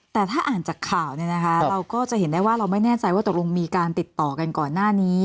แต่ถ้าอ่านจากข่าวเนี่ยนะคะเราก็จะเห็นได้ว่าเราไม่แน่ใจว่าตกลงมีการติดต่อกันก่อนหน้านี้